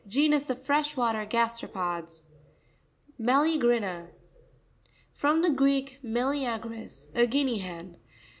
Genus of fresh water gas teropods. Me racrina.—From the Greek, me leagris, a guinea hen.